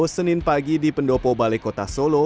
senin pagi di pendopo balai kota solo